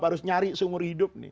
harus nyari seumur hidup nih